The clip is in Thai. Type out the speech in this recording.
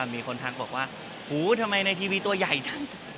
มีคนทักบอกว่าหูทำไมในทีวีตัวใหญ่จัง